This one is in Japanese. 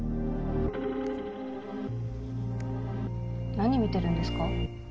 何見てるんですか？